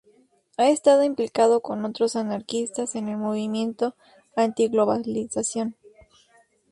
Ha estado implicado con otros anarquistas en el movimiento antiglobalización.